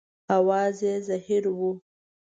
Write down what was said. اواز یې زهیر و.